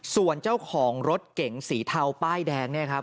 ส่วนเจ้าของรถเก๋งสีเทาป้ายแดงเนี่ยครับ